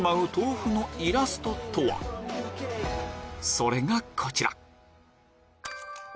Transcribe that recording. それがこちら！